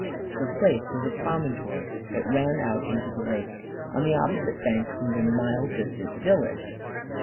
The Place was a promontory that ran out into the lake, on the opposite bank from the mile distant village.